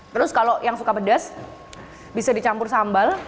terus kalau yang suka pedas bisa dicampur sambal